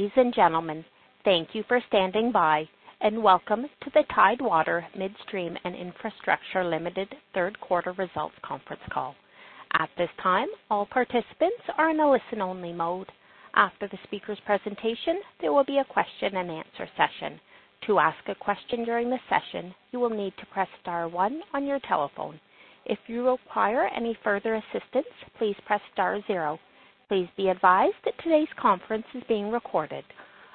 Ladies and gentlemen, thank you for standing by, welcome to the Tidewater Midstream and Infrastructure Limited third quarter results conference call. At this time, all participants are in a listen-only mode. After the speaker's presentation, there will be a question and answer session. To ask a question during the session, you will need to press star one on your telephone. If you require any further assistance, please press star zero. Please be advised that today's conference is being recorded.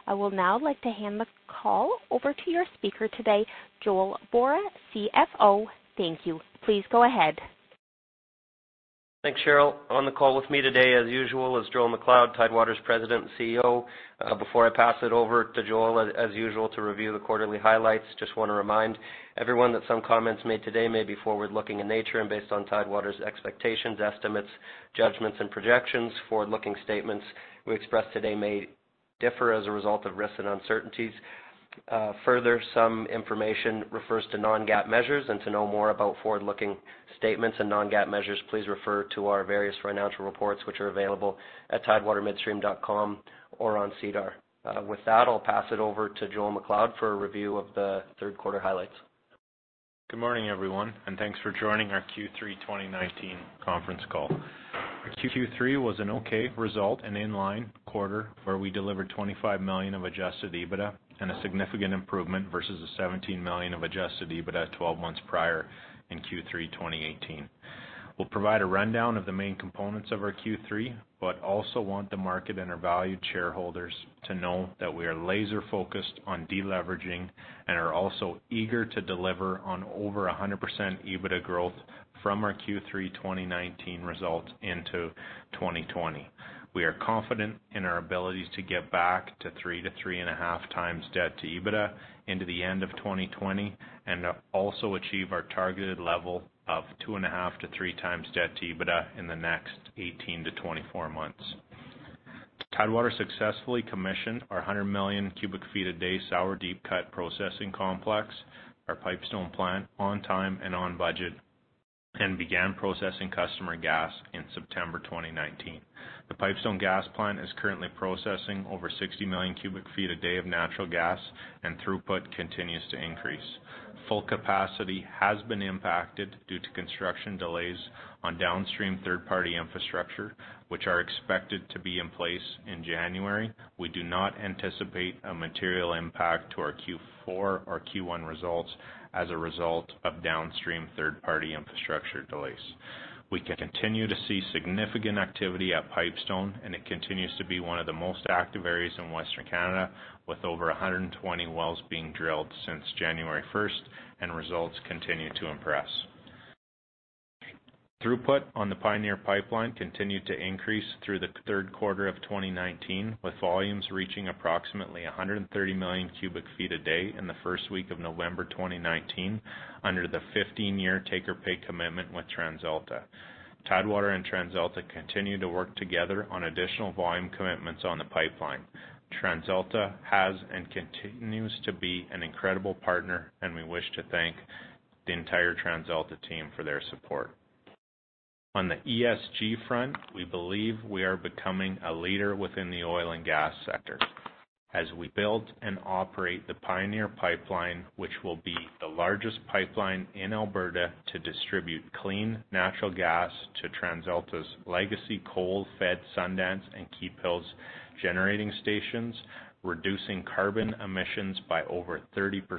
I will now like to hand the call over to your speaker today, Joel Vorra, CFO. Thank you. Please go ahead. Thanks, Cheryl. On the call with me today, as usual, is Joel MacLeod, Tidewater's President and CEO. Before I pass it over to Joel, as usual, to review the quarterly highlights, just want to remind everyone that some comments made today may be forward-looking in nature and based on Tidewater's expectations, estimates, judgments, and projections. Forward-looking statements we express today may differ as a result of risks and uncertainties. Further, some information refers to non-GAAP measures. To know more about forward-looking statements and non-GAAP measures, please refer to our various financial reports, which are available at tidewatermidstream.com or on SEDAR. With that, I'll pass it over to Joel MacLeod for a review of the third quarter highlights. Good morning, everyone, and thanks for joining our Q3 2019 conference call. Q3 was an okay result, an in-line quarter where we delivered 25 million of adjusted EBITDA and a significant improvement versus the 17 million of adjusted EBITDA 12 months prior in Q3 2018. We'll provide a rundown of the main components of our Q3, but also want the market and our valued shareholders to know that we are laser-focused on de-leveraging and are also eager to deliver on over 100% EBITDA growth from our Q3 2019 results into 2020. We are confident in our abilities to get back to 3 to 3.5 times debt to EBITDA into the end of 2020 and also achieve our targeted level of 2.5 to 3 times debt to EBITDA in the next 18-24 months. Tidewater successfully commissioned our 100 million cubic feet a day sour deep-cut processing complex, our Pipestone Plant, on time and on budget, and began processing customer gas in September 2019. The Pipestone Gas Plant is currently processing over 60 million cubic feet a day of natural gas and throughput continues to increase. Full capacity has been impacted due to construction delays on downstream third-party infrastructure, which are expected to be in place in January. We do not anticipate a material impact to our Q4 or Q1 results as a result of downstream third-party infrastructure delays. We continue to see significant activity at Pipestone, and it continues to be one of the most active areas in Western Canada, with over 120 wells being drilled since January 1st, and results continue to impress. Throughput on the Pioneer Pipeline continued to increase through the third quarter of 2019, with volumes reaching approximately 130 million cubic feet a day in the first week of November 2019 under the 15-year take-or-pay commitment with TransAlta. Tidewater and TransAlta continue to work together on additional volume commitments on the pipeline. TransAlta has and continues to be an incredible partner, and we wish to thank the entire TransAlta team for their support. On the ESG front, we believe we are becoming a leader within the oil and gas sector. As we build and operate the Pioneer Pipeline, which will be the largest pipeline in Alberta to distribute clean natural gas to TransAlta's legacy coal-fed Sundance and Keephills generating stations, reducing carbon emissions by over 30%.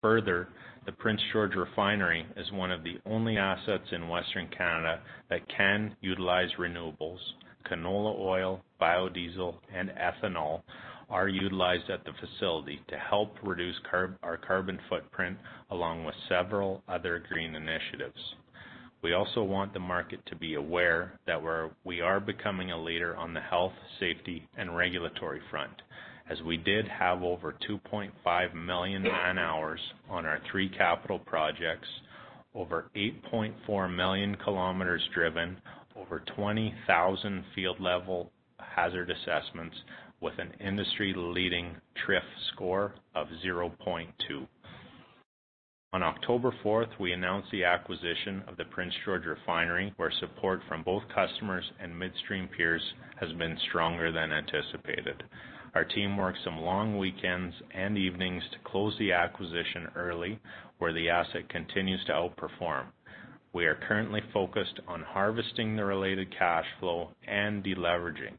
Further, the Prince George Refinery is one of the only assets in Western Canada that can utilize renewables. canola oil, biodiesel, and ethanol are utilized at the facility to help reduce our carbon footprint, along with several other green initiatives. We also want the market to be aware that we are becoming a leader on the health, safety, and regulatory front, as we did have over 2.5 million man-hours on our three capital projects, over 8.4 million kilometers driven, over 20,000 field level hazard assessments with an industry-leading TRIF score of 0.2. On October 4th, we announced the acquisition of the Prince George Refinery, where support from both customers and midstream peers has been stronger than anticipated. Our team worked some long weekends and evenings to close the acquisition early, where the asset continues to outperform. We are currently focused on harvesting the related cash flow and de-leveraging,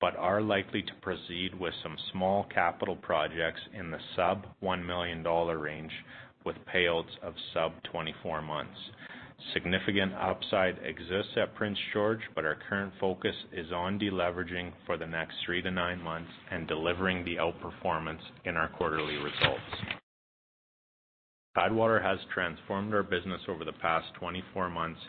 but are likely to proceed with some small capital projects in the sub 1 million dollar range with pay-outs of sub 24 months. Significant upside exists at Prince George, but our current focus is on de-leveraging for the next 3 to 9 months and delivering the outperformance in our quarterly results. Tidewater has transformed our business over the past 24 months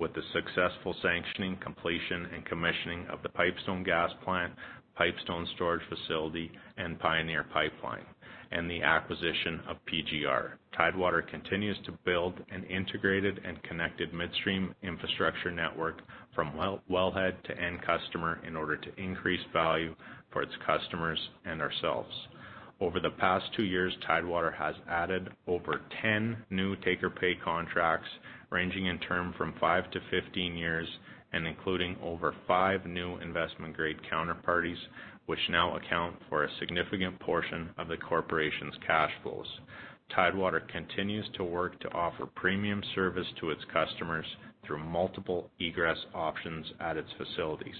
with the successful sanctioning, completion, and commissioning of the Pipestone Gas Plant, Pipestone Storage Facility, and Pioneer Pipeline, and the acquisition of PGR. Tidewater continues to build an integrated and connected midstream infrastructure network from wellhead to end customer in order to increase value for its customers and ourselves. Over the past two years, Tidewater has added over 10 new take-or-pay contracts, ranging in term from five to 15 years and including over five new investment-grade counterparties, which now account for a significant portion of the corporation's cash flows. Tidewater continues to work to offer premium service to its customers through multiple egress options at its facilities,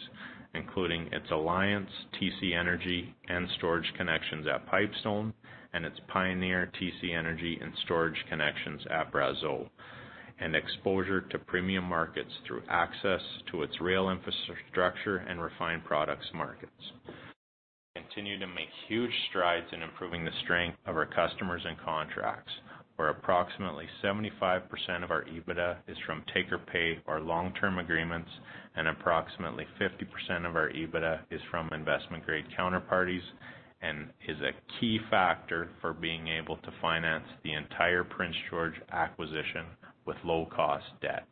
including its Alliance, TC Energy, and storage connections at Pipestone, and its Pioneer, TC Energy, and storage connections at Brazeau. Exposure to premium markets through access to its rail infrastructure and refined products markets. Continue to make huge strides in improving the strength of our customers and contracts, where approximately 75% of our EBITDA is from take-or-pay or long-term agreements, and approximately 50% of our EBITDA is from investment-grade counterparties and is a key factor for being able to finance the entire Prince George acquisition with low-cost debt.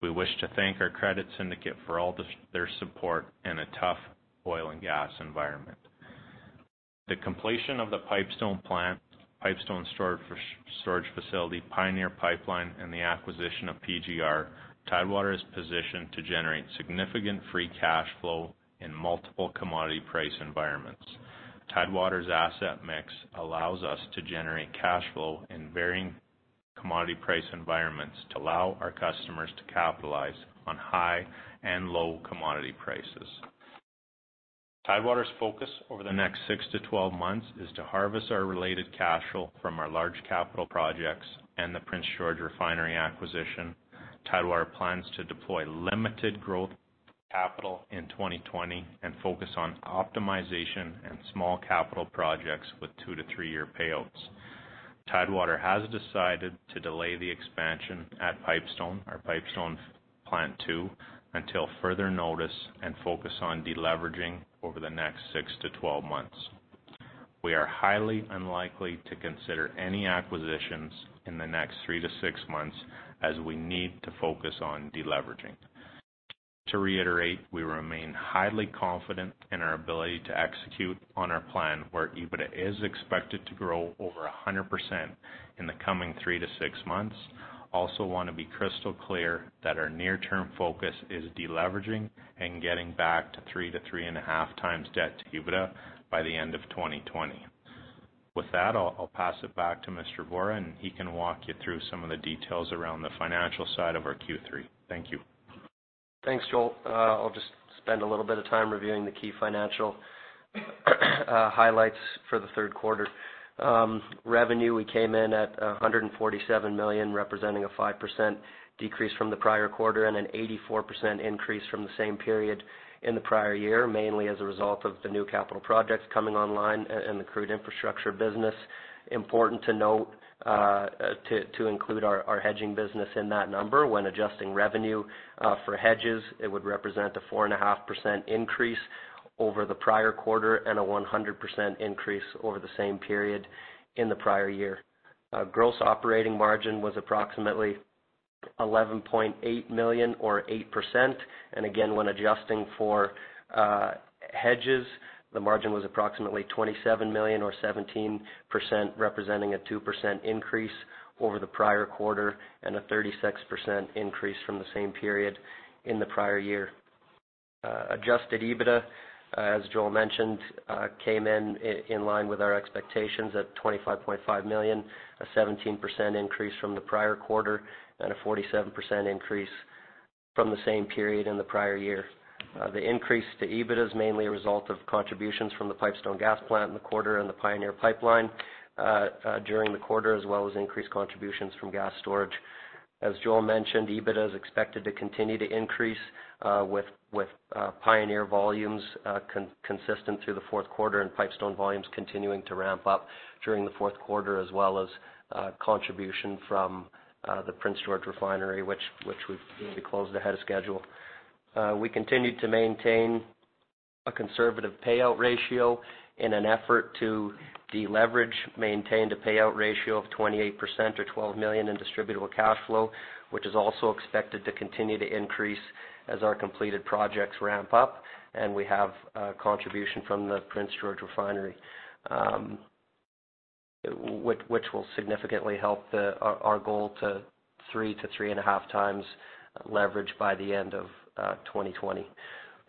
We wish to thank our credit syndicate for all their support in a tough oil and gas environment. The completion of the Pipestone Plant, Pipestone Storage Facility, Pioneer Pipeline, and the acquisition of PGR, Tidewater is positioned to generate significant free cash flow in multiple commodity price environments. Tidewater's asset mix allows us to generate cash flow in varying commodity price environments to allow our customers to capitalize on high and low commodity prices. Tidewater's focus over the next 6 to 12 months is to harvest our related cash flow from our large capital projects and the Prince George Refinery acquisition. Tidewater plans to deploy limited growth capital in 2020 and focus on optimization and small capital projects with 2 to 3-year payouts. Tidewater has decided to delay the expansion at Pipestone, our Pipestone Plant Two, until further notice and focus on de-leveraging over the next 6 to 12 months. We are highly unlikely to consider any acquisitions in the next 3 to 6 months, as we need to focus on de-leveraging. To reiterate, we remain highly confident in our ability to execute on our plan, where EBITDA is expected to grow over 100% in the coming 3 to 6 months. Also want to be crystal clear that our near-term focus is de-leveraging and getting back to three to three and a half times debt to EBITDA by the end of 2020. With that, I'll pass it back to Mr. Vorra, and he can walk you through some of the details around the financial side of our Q3. Thank you. Thanks, Joel. I'll just spend a little bit of time reviewing the key financial highlights for the third quarter. Revenue, we came in at 147 million, representing a 5% decrease from the prior quarter and an 84% increase from the same period in the prior year, mainly as a result of the new capital projects coming online and the crude infrastructure business. Important to note to include our hedging business in that number. When adjusting revenue for hedges, it would represent a 4.5% increase over the prior quarter and a 100% increase over the same period in the prior year. Gross operating margin was approximately 11.8 million or 8%. Again, when adjusting for hedges, the margin was approximately 27 million or 17%, representing a 2% increase over the prior quarter and a 36% increase from the same period in the prior year. Adjusted EBITDA, as Joel mentioned, came in in line with our expectations at 25.5 million, a 17% increase from the prior quarter and a 47% increase from the same period in the prior year. The increase to EBITDA is mainly a result of contributions from the Pipestone Gas Plant in the quarter and the Pioneer Pipeline during the quarter, as well as increased contributions from gas storage. As Joel mentioned, EBITDA is expected to continue to increase with Pioneer volumes consistent through the fourth quarter and Pipestone volumes continuing to ramp up during the fourth quarter, as well as contribution from the Prince George Refinery, which we closed ahead of schedule. We continued to maintain a conservative payout ratio in an effort to deleverage, maintain the payout ratio of 28% or 12 million in distributable cash flow, which is also expected to continue to increase as our completed projects ramp up. We have contribution from the Prince George Refinery, which will significantly help our goal to 3 to 3.5x leverage by the end of 2020.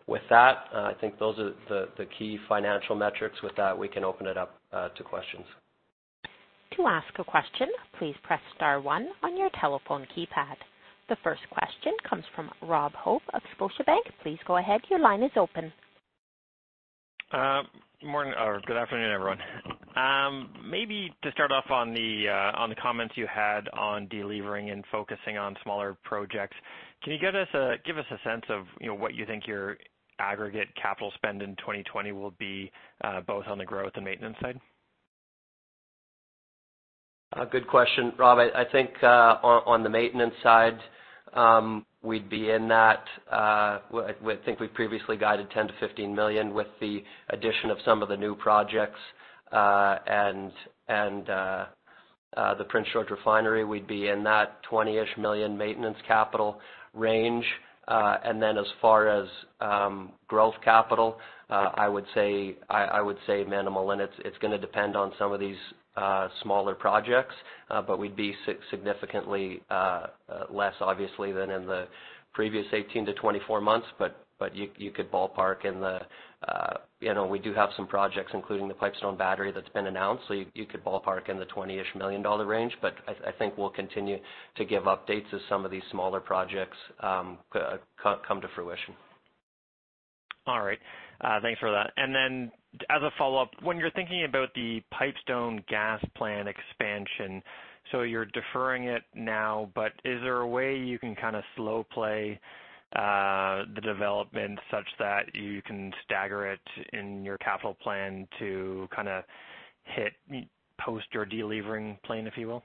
With that, I think those are the key financial metrics. With that, we can open it up to questions. To ask a question, please press *1 on your telephone keypad. The first question comes from Rob Hope of Scotiabank. Please go ahead. Your line is open. Good morning or good afternoon, everyone. Maybe to start off on the comments you had on delevering and focusing on smaller projects, can you give us a sense of what you think your aggregate capital spend in 2020 will be, both on the growth and maintenance side? A good question, Rob. I think on the maintenance side, we'd be in that. I think we previously guided 10 million-15 million with the addition of some of the new projects and the Prince George Refinery, we'd be in that 20 million-ish maintenance capital range. Then as far as growth capital, I would say minimal. We'd be significantly less obviously than in the previous 18-24 months. You could ballpark in the. We do have some projects, including the Pipestone battery that's been announced, so you could ballpark in the 20 million dollar-ish range. I think we'll continue to give updates as some of these smaller projects come to fruition. All right. Thanks for that. Then as a follow-up, when you're thinking about the Pipestone Gas Plant expansion, so you're deferring it now, but is there a way you can slow play the development such that you can stagger it in your capital plan to hit post your de-levering plan, if you will?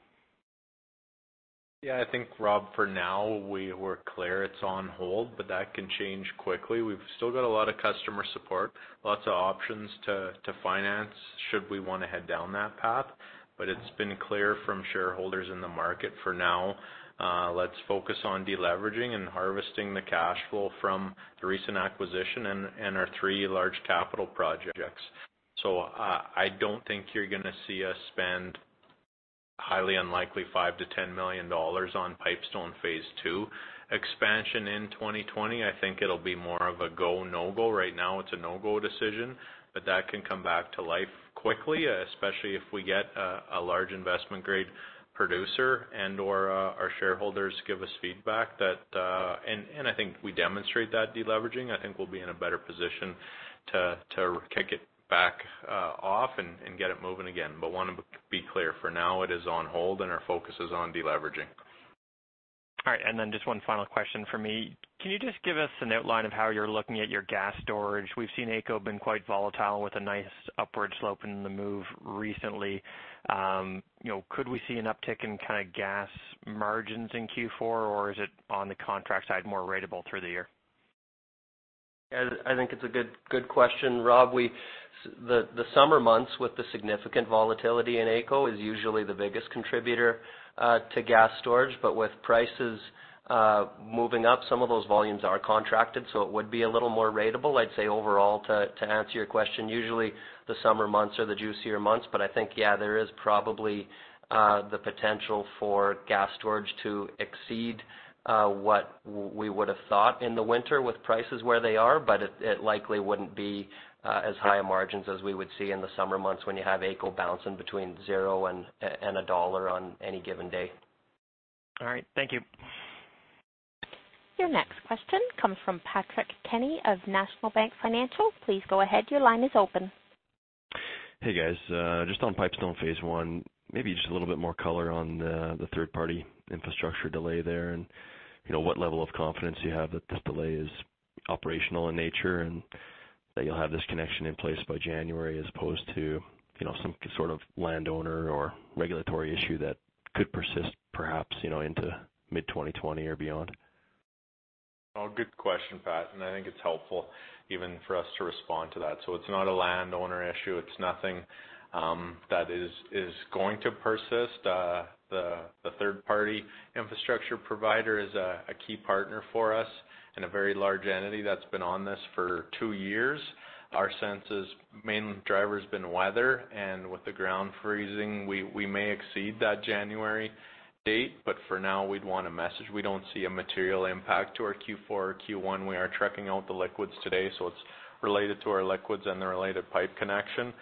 Yeah, I think, Rob, for now, we're clear it's on hold, that can change quickly. We've still got a lot of customer support, lots of options to finance should we want to head down that path. It's been clear from shareholders in the market for now, let's focus on de-leveraging and harvesting the cash flow from the recent acquisition and our three large capital projects. I don't think you're going to see us spend, highly unlikely, 5 million-10 million dollars on Pipestone Phase II expansion in 2020. I think it'll be more of a go, no-go. Right now it's a no-go decision, but that can come back to life quickly, especially if we get a large investment-grade producer and/or our shareholders give us feedback. I think we demonstrate that de-leveraging, I think we'll be in a better position to kick it back off and get it moving again. Want to be clear, for now it is on hold and our focus is on de-leveraging. All right, just one final question from me. Can you just give us an outline of how you're looking at your gas storage? We've seen AECO been quite volatile with a nice upward slope in the move recently. Could we see an uptick in gas margins in Q4, or is it on the contract side more ratable through the year? I think it's a good question, Rob. The summer months with the significant volatility in AECO is usually the biggest contributor to gas storage. With prices moving up, some of those volumes are contracted, so it would be a little more ratable. I'd say overall, to answer your question, usually the summer months are the juicier months, but I think, yeah, there is probably the potential for gas storage to exceed what we would have thought in the winter with prices where they are, but it likely wouldn't be as high a margins as we would see in the summer months when you have AECO bouncing between 0 and CAD 1 on any given day. All right. Thank you. Your next question comes from Patrick Kenny of National Bank Financial. Please go ahead, your line is open. Hey, guys. Just on Pipestone Phase I, maybe just a little bit more color on the third-party infrastructure delay there, and what level of confidence you have that this delay is operational in nature, and that you'll have this connection in place by January as opposed to some sort of landowner or regulatory issue that could persist perhaps into mid-2020 or beyond. Good question, Pat. I think it's helpful even for us to respond to that. It's not a landowner issue. It's nothing that is going to persist. The third-party infrastructure provider is a key partner for us and a very large entity that's been on this for two years. Our sense is main driver's been weather. With the ground freezing, we may exceed that January date, for now we'd want to message we don't see a material impact to our Q4 or Q1. We are trucking out the liquids today. It's related to our liquids and the related pipe connection.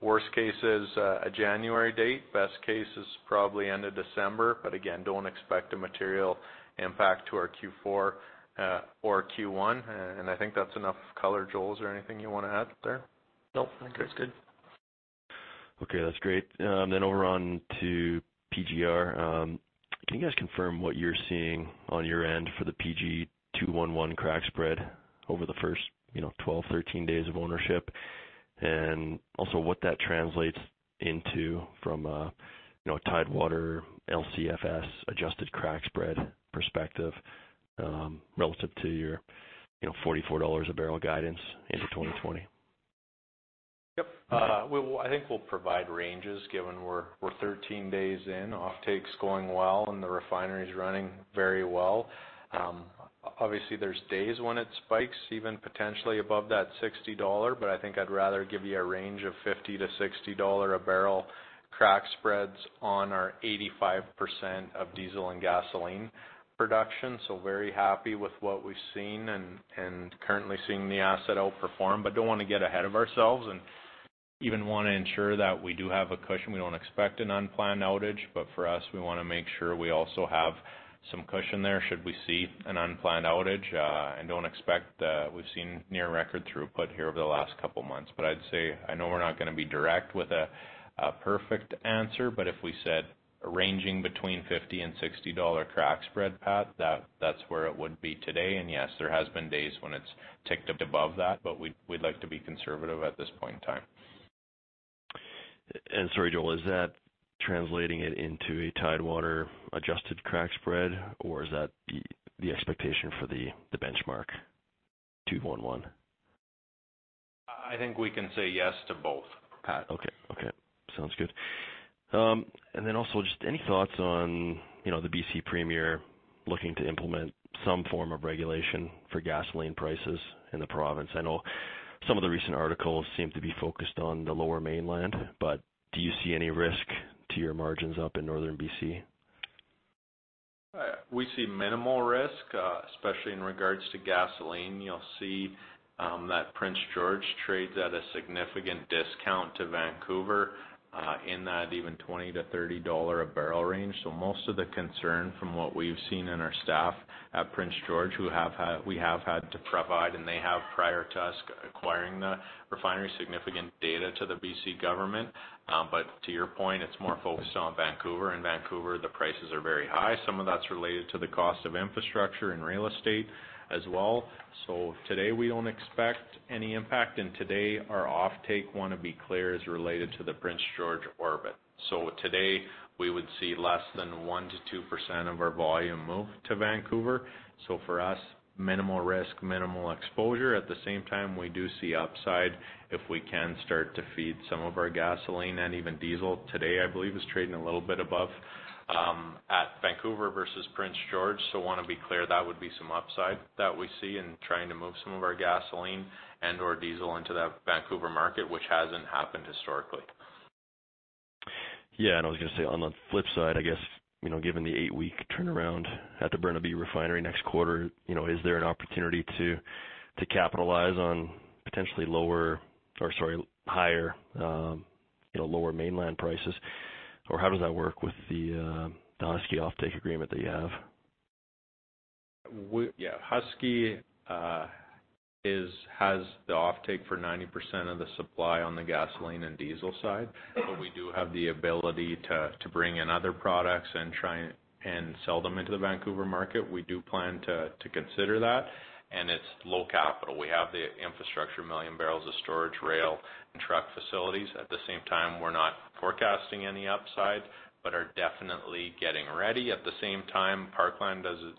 Worst case is a January date. Best case is probably end of December, again, don't expect a material impact to our Q4 or Q1. I think that's enough color. Joel, is there anything you want to add there? No, I think that's good. Okay, that's great. Over on to PGR. Can you guys confirm what you're seeing on your end for the PG 2-1-1 crack spread over the first 12, 13 days of ownership? Also what that translates into from a Tidewater LCFS adjusted crack spread perspective relative to your 44 dollars a barrel guidance into 2020. Yep. I think we'll provide ranges given we're 13 days in. Offtake's going well and the refinery's running very well. Obviously, there's days when it spikes even potentially above that 60 dollar, but I think I'd rather give you a range of 50-60 dollar a barrel crack spreads on our 85% of diesel and gasoline production. Very happy with what we've seen and currently seeing the asset outperform, but don't want to get ahead of ourselves and even want to ensure that we do have a cushion. We don't expect an unplanned outage, but for us, we want to make sure we also have some cushion there should we see an unplanned outage. We've seen near record throughput here over the last couple of months. I'd say, I know we're not going to be direct with a perfect answer, but if we said ranging between 50-60 dollar crack spread, Pat, that's where it would be today. Yes, there has been days when it's ticked up above that, but we'd like to be conservative at this point in time. Sorry, Joel, is that translating it into a Tidewater adjusted crack spread, or is that the expectation for the benchmark 2-1-1? I think we can say yes to both, Pat. Okay. Sounds good. Also just any thoughts on the B.C. premier looking to implement some form of regulation for gasoline prices in the province? I know some of the recent articles seem to be focused on the Lower Mainland. Do you see any risk to your margins up in Northern B.C.? We see minimal risk, especially in regards to gasoline. You'll see that Prince George trades at a significant discount to Vancouver, in that even 20-30 dollar a barrel range. Most of the concern from what we've seen in our staff at Prince George, we have had to provide, and they have prior to us acquiring the refinery, significant data to the B.C. government. To your point, it's more focused on Vancouver. In Vancouver, the prices are very high. Some of that's related to the cost of infrastructure and real estate as well. Today, we don't expect any impact, and today our offtake, want to be clear, is related to the Prince George orbit. Today, we would see less than 1%-2% of our volume move to Vancouver. For us, minimal risk, minimal exposure. At the same time, we do see upside if we can start to feed some of our gasoline and even diesel. Today, I believe, is trading a little bit above at Vancouver versus Prince George. Want to be clear, that would be some upside that we see in trying to move some of our gasoline and/or diesel into that Vancouver market, which hasn't happened historically. Yeah. I was going to say, on the flip side, I guess, given the eight-week turnaround at the Burnaby Refinery next quarter, is there an opportunity to capitalize on potentially lower or, sorry, higher Lower Mainland prices? How does that work with the Husky offtake agreement that you have? Yeah. Husky has the offtake for 90% of the supply on the gasoline and diesel side. We do have the ability to bring in other products and sell them into the Vancouver market. We do plan to consider that, and it's low capital. We have the infrastructure, 1 million barrels of storage, rail, and truck facilities. At the same time, we're not forecasting any upside, but are definitely getting ready. At the same time, Parkland does it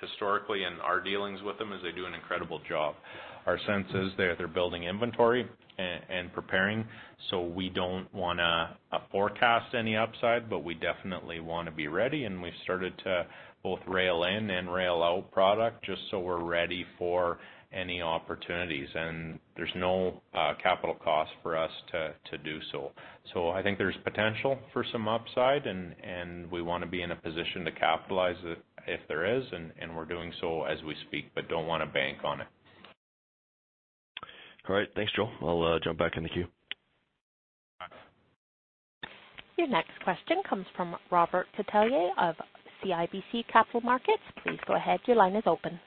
historically, and our dealings with them is they do an incredible job. Our sense is they're building inventory and preparing. We don't want to forecast any upside, but we definitely want to be ready, and we've started to both rail in and rail out product just so we're ready for any opportunities. There's no capital cost for us to do so. I think there's potential for some upside, and we want to be in a position to capitalize it if there is. We're doing so as we speak, but don't want to bank on it. All right. Thanks, Joel. I'll jump back in the queue. Your next question comes from Robert Catellier of CIBC Capital Markets. Please go ahead. Your line is open.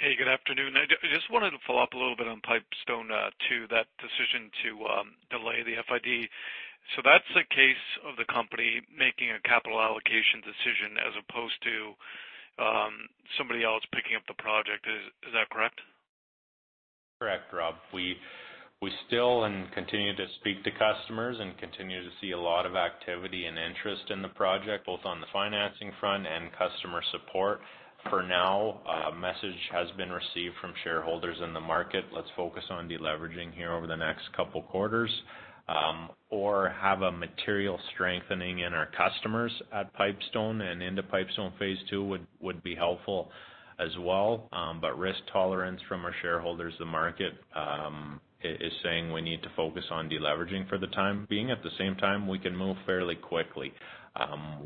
Good afternoon. I just wanted to follow up a little bit on Pipestone to that decision to delay the FID. That is the case of the company making a capital allocation decision as opposed to somebody else picking up the project. Is that correct? Correct, Rob. We still and continue to speak to customers and continue to see a lot of activity and interest in the project, both on the financing front and customer support. For now, a message has been received from shareholders in the market. Let's focus on deleveraging here over the next couple of quarters or have a material strengthening in our customers at Pipestone and into Pipestone Phase II would be helpful as well. Risk tolerance from our shareholders, the market is saying we need to focus on deleveraging for the time being. At the same time, we can move fairly quickly.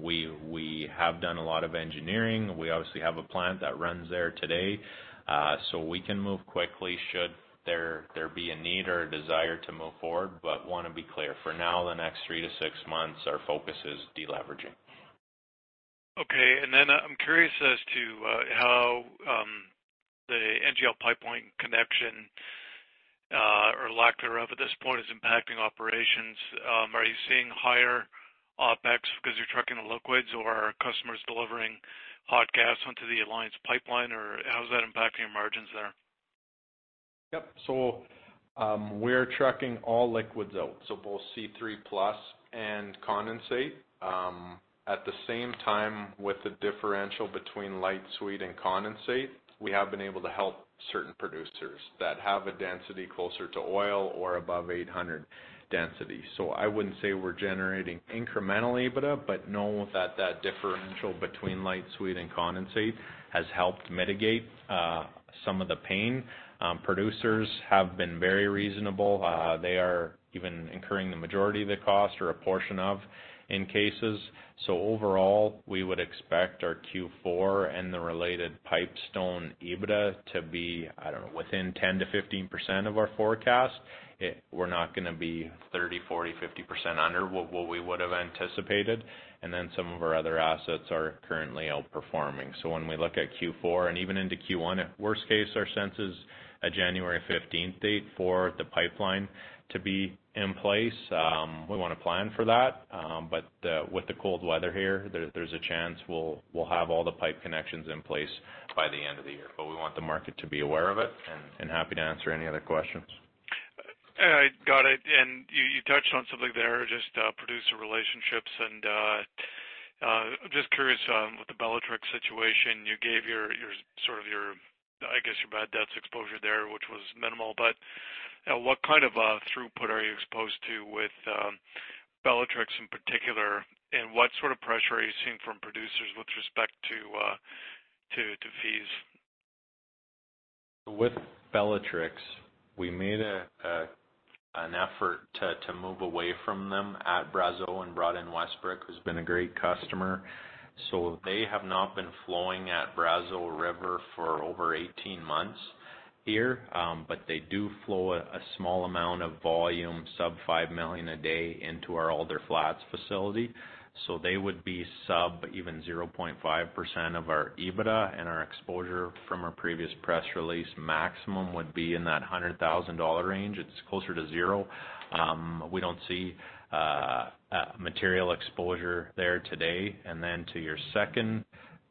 We have done a lot of engineering. We obviously have a plant that runs there today. We can move quickly should there be a need or a desire to move forward, but want to be clear. For now, the next three to six months, our focus is deleveraging. Okay. I'm curious as to how the NGL pipeline connection, or lack thereof at this point, is impacting operations. Are you seeing higher OpEx because you're trucking the liquids, or are customers delivering hot gas onto the Alliance Pipeline, or how is that impacting your margins there? Yep. We're trucking all liquids out, both C3 plus and condensate. At the same time, with the differential between light sweet and condensate, we have been able to help certain producers that have a density closer to oil or above 800 density. I wouldn't say we're generating incremental EBITDA, but know that that differential between light sweet and condensate has helped mitigate some of the pain. Producers have been very reasonable. They are even incurring the majority of the cost or a portion of in cases. Overall, we would expect our Q4 and the related Pipestone EBITDA to be, I don't know, within 10%-15% of our forecast. We're not going to be 30%, 40%, 50% under what we would have anticipated. Some of our other assets are currently outperforming. When we look at Q4 and even into Q1, at worst case, our sense is a January 15th date for the pipeline to be in place. We want to plan for that. With the cold weather here, there's a chance we'll have all the pipe connections in place by the end of the year. We want the market to be aware of it, and happy to answer any other questions. Got it. You touched on something there, just producer relationships and I'm just curious with the Bellatrix situation, you gave your bad debts exposure there, which was minimal. What kind of throughput are you exposed to with Bellatrix in particular, and what sort of pressure are you seeing from producers with respect to fees? With Bellatrix, we made an effort to move away from them at Brazeau and brought in Westbrook, who's been a great customer. They have not been flowing at Brazeau River for over 18 months here. They do flow a small amount of volume, sub 5 million a day, into our Alder Flats facility. They would be sub even 0.5% of our EBITDA and our exposure from our previous press release maximum would be in that 100,000 dollar range. It's closer to zero. We don't see material exposure there today. To your second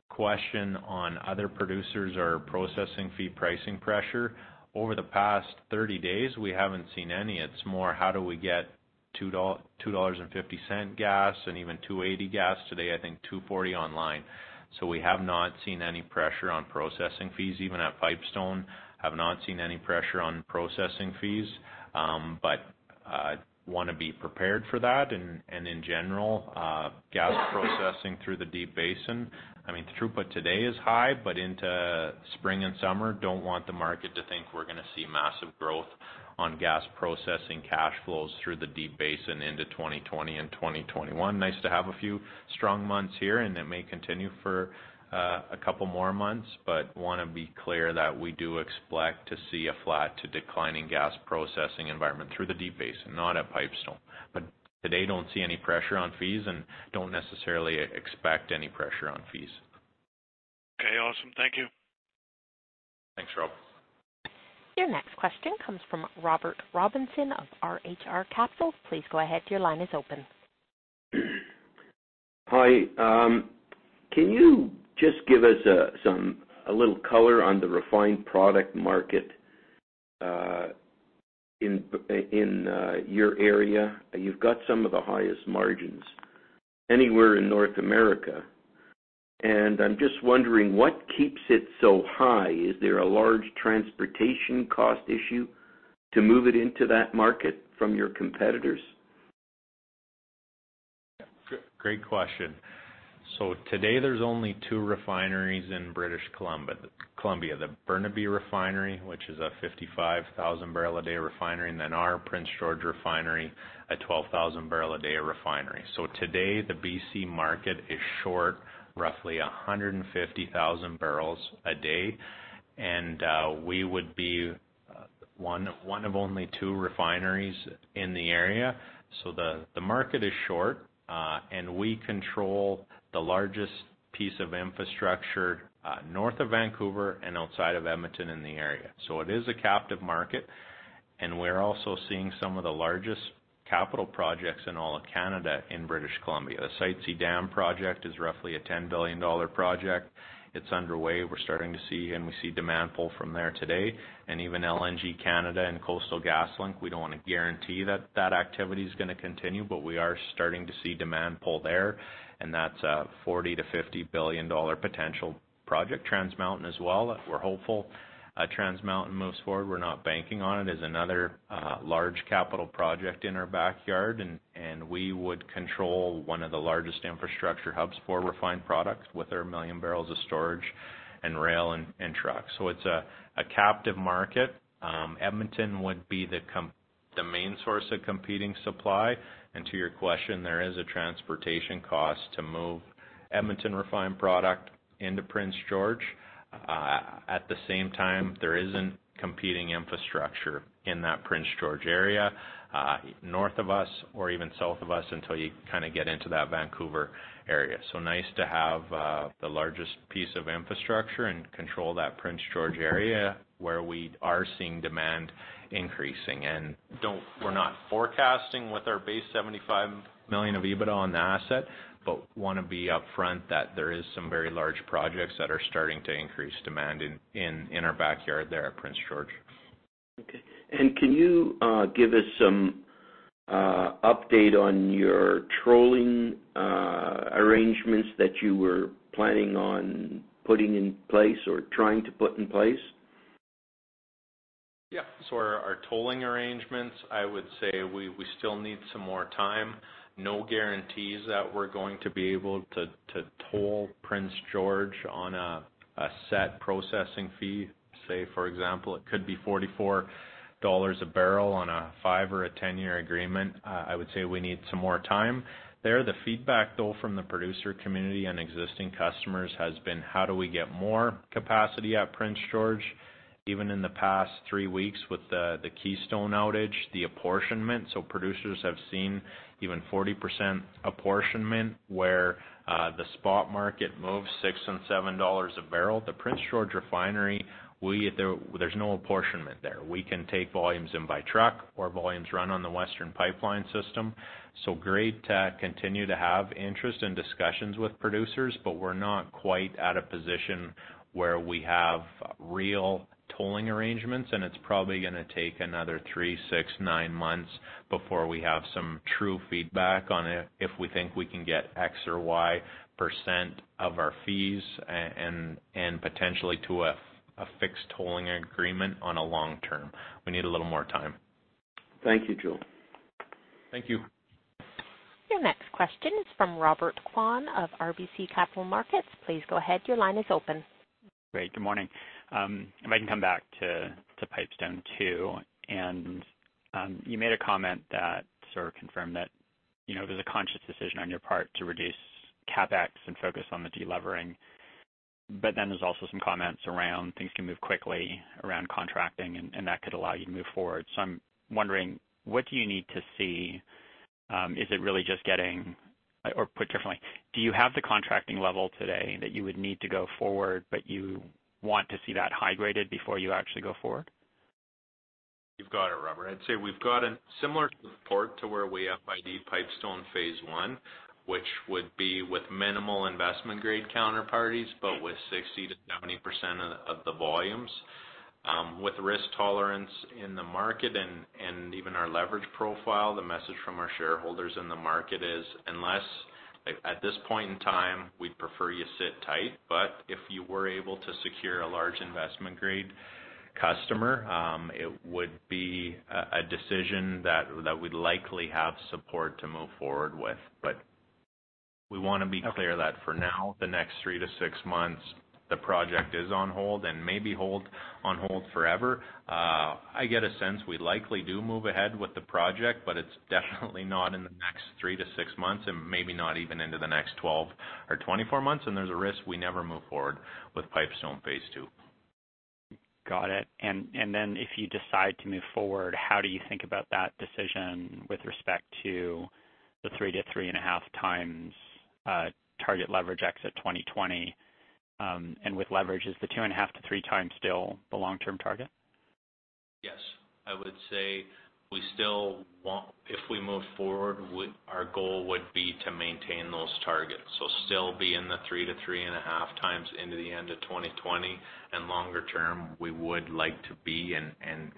question on other producers or processing fee pricing pressure. Over the past 30 days, we haven't seen any. It's more how do we get 2.50 dollars gas and even 2.80 gas. Today, I think 2.40 online. We have not seen any pressure on processing fees, even at Pipestone. Have not seen any pressure on processing fees. Want to be prepared for that. In general, gas processing through the Deep Basin, throughput today is high, but into spring and summer, don't want the market to think we're going to see massive growth on gas processing cash flows through the Deep Basin into 2020 and 2021. Nice to have a few strong months here, and it may continue for a couple more months, but want to be clear that we do expect to see a flat to declining gas processing environment through the Deep Basin, not at Pipestone. Today don't see any pressure on fees and don't necessarily expect any pressure on fees. Okay, awesome. Thank you. Thanks, Rob. Your next question comes from Robert Robinson of R.H.R. Capital. Please go ahead. Your line is open. Hi, can you just give us a little color on the refined product market in your area? You've got some of the highest margins anywhere in North America. I'm just wondering what keeps it so high. Is there a large transportation cost issue to move it into that market from your competitors? Great question. Today there's only two refineries in British Columbia. The Burnaby Refinery, which is a 55,000 barrel a day refinery, and then our Prince George Refinery, a 12,000 barrel a day refinery. Today, the BC market is short roughly 150,000 barrels a day, and we would be one of only two refineries in the area. The market is short, and we control the largest piece of infrastructure north of Vancouver and outside of Edmonton in the area. It is a captive market, and we're also seeing some of the largest capital projects in all of Canada, in British Columbia. The Site C Dam project is roughly a 10 billion dollar project. It's underway. We're starting to see, and we see demand pull from there today. Even LNG Canada and Coastal GasLink, we don't want to guarantee that that activity is going to continue, but we are starting to see demand pull there, and that's a 40 billion to 50 billion dollar potential project. Trans Mountain as well. We're hopeful Trans Mountain moves forward. We're not banking on it. It's another large capital project in our backyard, and we would control one of the largest infrastructure hubs for refined products with our 1 million barrels of storage and rail and trucks. It's a captive market. Edmonton would be the main source of competing supply. To your question, there is a transportation cost to move Edmonton refined product into Prince George. At the same time, there isn't competing infrastructure in that Prince George area north of us or even south of us until you kind of get into that Vancouver area. Nice to have the largest piece of infrastructure and control that Prince George area where we are seeing demand increasing. We're not forecasting with our base 75 million of EBITDA on the asset, but want to be upfront that there is some very large projects that are starting to increase demand in our backyard there at Prince George. Okay. Can you give us some update on your tolling arrangements that you were planning on putting in place or trying to put in place? Our tolling arrangements, I would say we still need some more time. No guarantees that we're going to be able to toll Prince George on a set processing fee. Say, for example, it could be 44 dollars a barrel on a five or a 10-year agreement. I would say we need some more time there. The feedback, though, from the producer community and existing customers has been how do we get more capacity at Prince George. Even in the past three weeks with the Keystone outage, the apportionment, producers have seen even 40% apportionment where the spot market moves 6 and 7 dollars a barrel. The Prince George Refinery, there's no apportionment there. We can take volumes in by truck or volumes run on the Western Pipeline System. Great to continue to have interest and discussions with producers, but we're not quite at a position where we have real tolling arrangements, and it's probably going to take another three, six, nine months before we have some true feedback on if we think we can get X or Y% of our fees and potentially to a fixed tolling agreement on a long term. We need a little more time. Thank you, Joel. Thank you. Your next question is from Robert Kwan of RBC Capital Markets. Please go ahead. Your line is open. Great. Good morning. If I can come back to Pipestone Two. You made a comment that sort of confirmed that it was a conscious decision on your part to reduce CapEx and focus on the de-levering. There's also some comments around things can move quickly around contracting, and that could allow you to move forward. I'm wondering, what do you need to see? Put differently, do you have the contracting level today that you would need to go forward, but you want to see that high-graded before you actually go forward? You've got it, Robert. I'd say we've got a similar support to where we FID Pipestone Phase I, which would be with minimal investment-grade counterparties, with 60%-70% of the volumes. With risk tolerance in the market and even our leverage profile, the message from our shareholders in the market is, at this point in time, we'd prefer you sit tight. If you were able to secure a large investment-grade customer, it would be a decision that we'd likely have support to move forward with. We want to be clear that for now, the next three to six months, the project is on hold and may be on hold forever. I get a sense we likely do move ahead with the project, but it's definitely not in the next three to six months and maybe not even into the next 12 or 24 months, and there's a risk we never move forward with Pipestone Phase II. Got it. If you decide to move forward, how do you think about that decision with respect to the 3 to 3.5 times target leverage exit 2020? With leverage, is the 2.5 to 3 times still the long-term target? Yes. I would say if we move forward, our goal would be to maintain those targets. Still be in the 3 to 3.5 times into the end of 2020. Longer term, we would like to be and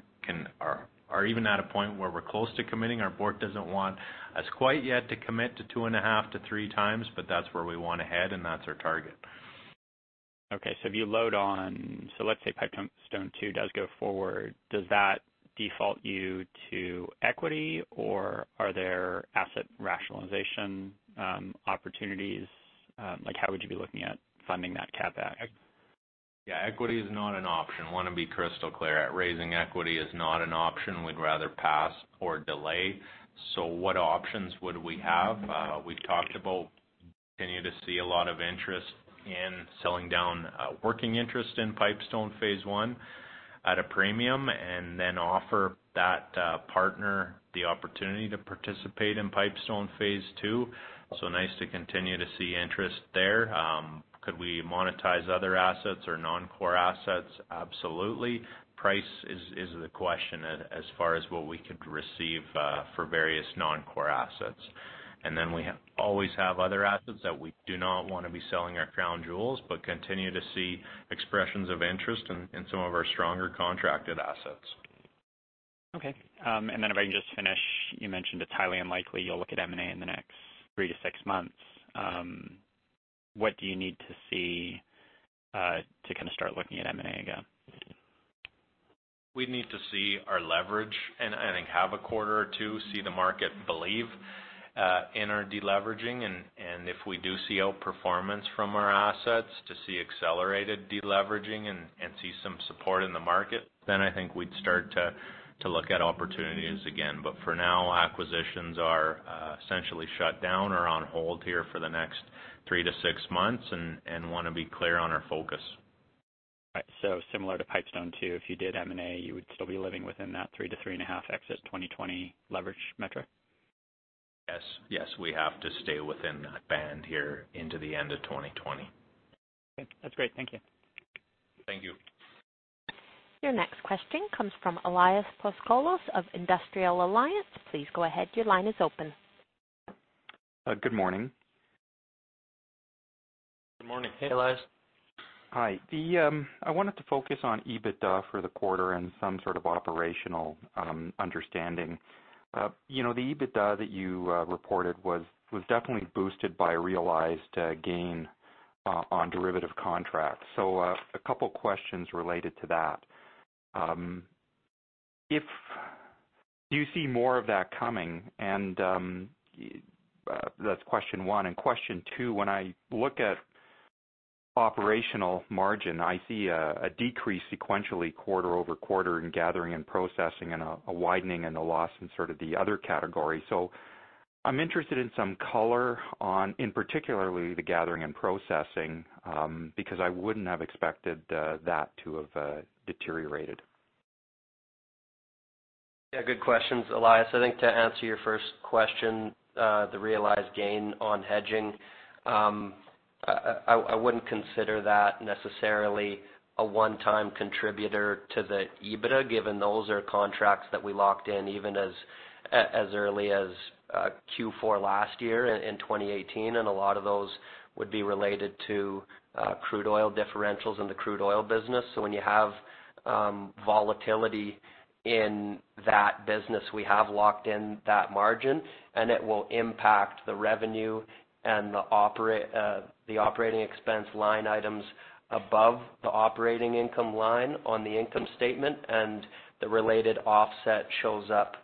are even at a point where we're close to committing. Our board doesn't want us quite yet to commit to 2.5 to 3 times, but that's where we want to head and that's our target. Okay. Let's say Pipestone Two does go forward. Does that default you to equity or are there asset rationalization opportunities? How would you be looking at funding that CapEx? Yeah, equity is not an option. Want to be crystal clear. Raising equity is not an option. We’d rather pass or delay. What options would we have? We’ve talked about continue to see a lot of interest in selling down a working interest in Pipestone Phase I at a premium, and then offer that partner the opportunity to participate in Pipestone Phase II. Nice to continue to see interest there. Could we monetize other assets or non-core assets? Absolutely. Price is the question as far as what we could receive for various non-core assets. We always have other assets that we do not want to be selling our crown jewels, but continue to see expressions of interest in some of our stronger contracted assets. Okay. If I can just finish, you mentioned it's highly unlikely you'll look at M&A in the next 3-6 months. What do you need to see to kind of start looking at M&A again? We need to see our leverage, I think have a quarter or two, see the market believe in our de-leveraging. If we do see outperformance from our assets to see accelerated de-leveraging and see some support in the market, I think we'd start to look at opportunities again. For now, acquisitions are essentially shut down or on hold here for the next three to six months and want to be clear on our focus. Right. Similar to Pipestone Two, if you did M&A, you would still be living within that three to three and a half exit 2020 leverage metric? Yes. We have to stay within that band here into the end of 2020. Okay. That's great. Thank you. Thank you. Your next question comes from Elias Foscolos of Industrial Alliance. Please go ahead. Your line is open. Good morning. Good morning. Hey, Elias. Hi. I wanted to focus on EBITDA for the quarter and some sort of operational understanding. The EBITDA that you reported was definitely boosted by a realized gain on derivative contracts. A couple questions related to that. Do you see more of that coming? That's question one, and question two, when I look at operational margin, I see a decrease sequentially quarter-over-quarter in gathering and processing and a widening and a loss in sort of the other category. I'm interested in some color on, in particularly the gathering and processing, because I wouldn't have expected that to have deteriorated. Yeah, good questions, Elias. I think to answer your first question, the realized gain on hedging, I wouldn't consider that necessarily a one-time contributor to the EBITDA, given those are contracts that we locked in even as early as Q4 last year in 2018. A lot of those would be related to crude oil differentials in the crude oil business. When you have volatility in that business, we have locked in that margin, and it will impact the revenue and the operating expense line items above the operating income line on the income statement, and the related offset shows up.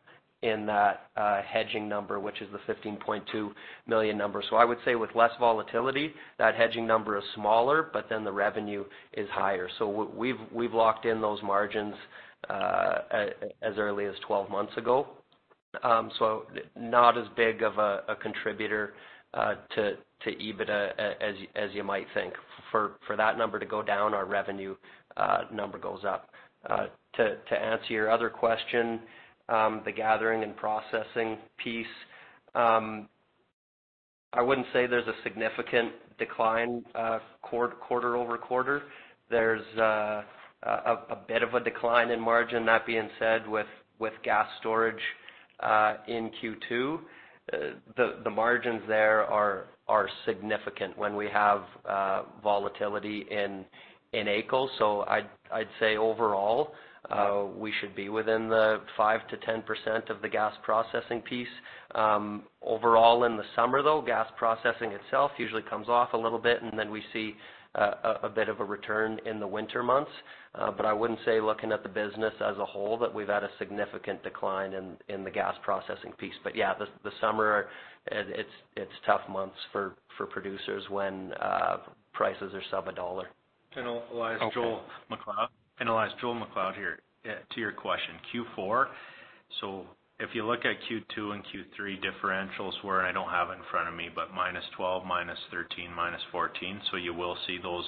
In that hedging number, which is the 15.2 million number. I would say with less volatility, that hedging number is smaller, the revenue is higher. We've locked in those margins as early as 12 months ago. Not as big of a contributor to EBITDA as you might think. For that number to go down, our revenue number goes up. To answer your other question, the gathering and processing piece, I wouldn't say there's a significant decline quarter-over-quarter. There's a bit of a decline in margin. That being said, with gas storage in Q2, the margins there are significant when we have volatility in AECO. I'd say overall, we should be within the 5%-10% of the gas processing piece. Overall in the summer, though, gas processing itself usually comes off a little bit, and then we see a bit of a return in the winter months. I wouldn't say looking at the business as a whole, that we've had a significant decline in the gas processing piece. Yeah, the summer, it's tough months for producers when prices are sub CAD 1. Elias Foscolos, Joel MacLeod here. To your question, Q4. If you look at Q2 and Q3 differentials where I don't have in front of me, but minus 12, minus 13, minus 14, you will see those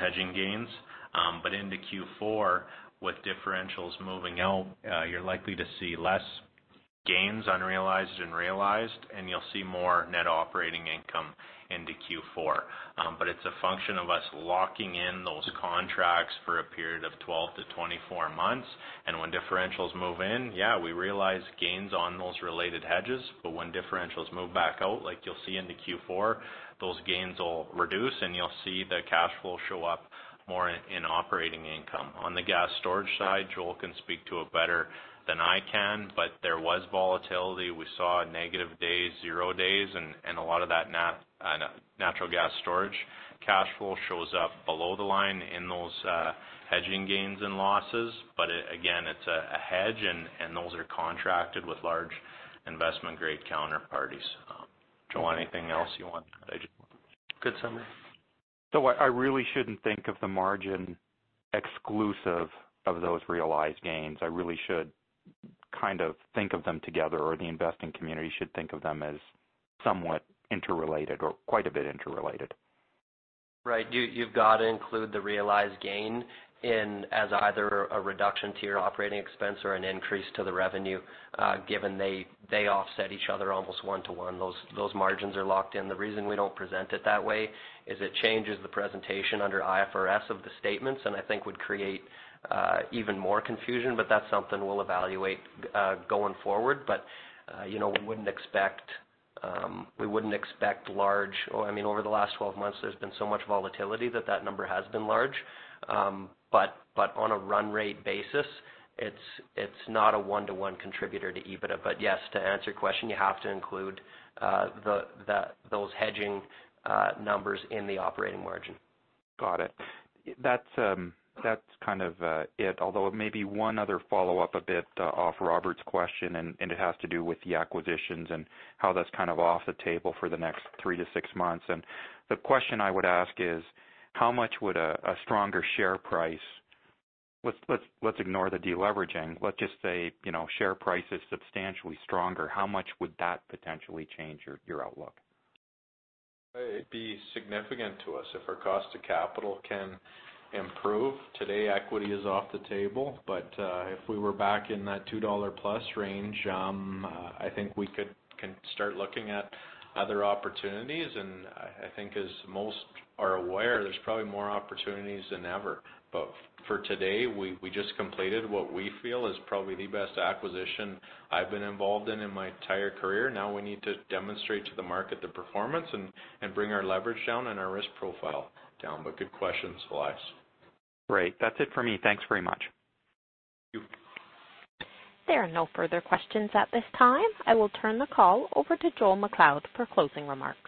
hedging gains. Into Q4, with differentials moving out, you're likely to see less gains unrealized and realized, and you'll see more net operating income into Q4. It's a function of us locking in those contracts for a period of 12 to 24 months. When differentials move in, yeah, we realize gains on those related hedges. When differentials move back out, like you'll see into Q4, those gains will reduce, and you'll see the cash flow show up more in operating income. On the gas storage side, Joel Vorra can speak to it better than I can, but there was volatility. We saw negative days, zero days, and a lot of that natural gas storage cash flow shows up below the line in those hedging gains and losses. Again, it's a hedge, and those are contracted with large investment-grade counterparties. Joel, anything else you want to add? Good summary. I really shouldn't think of the margin exclusive of those realized gains. I really should think of them together, or the investing community should think of them as somewhat interrelated or quite a bit interrelated. Right. You've got to include the realized gain as either a reduction to your operating expense or an increase to the revenue, given they offset each other almost one-to-one. Those margins are locked in. The reason we don't present it that way is it changes the presentation under IFRS of the statements, and I think would create even more confusion. That's something we'll evaluate going forward. We wouldn't expect large Over the last 12 months, there's been so much volatility that that number has been large. On a run rate basis, it's not a one-to-one contributor to EBITDA. Yes, to answer your question, you have to include those hedging numbers in the operating margin. Got it. That's kind of it. Maybe one other follow-up a bit off Robert's question, it has to do with the acquisitions and how that's off the table for the next three to six months. The question I would ask is, how much would a stronger share price Let's ignore the de-leveraging. Let's just say, share price is substantially stronger. How much would that potentially change your outlook? It'd be significant to us if our cost to capital can improve. Today, equity is off the table. If we were back in that 2-plus dollar range, I think we can start looking at other opportunities. I think as most are aware, there's probably more opportunities than ever. For today, we just completed what we feel is probably the best acquisition I've been involved in in my entire career. Now we need to demonstrate to the market the performance and bring our leverage down and our risk profile down. Good question, Elias. Great. That's it for me. Thanks very much. Thank you. There are no further questions at this time. I will turn the call over to Joel MacLeod for closing remarks.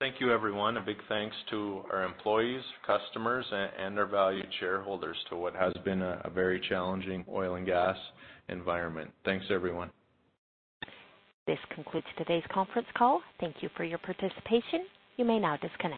Thank you, everyone. A big thanks to our employees, customers, and our valued shareholders to what has been a very challenging oil and gas environment. Thanks, everyone. This concludes today's conference call. Thank Thank you for your participation. You may now disconnect.